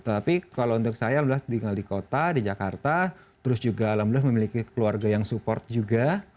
tapi kalau untuk saya alhamdulillah tinggal di kota di jakarta terus juga alhamdulillah memiliki keluarga yang support juga